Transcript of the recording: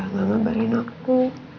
gak mabarin aku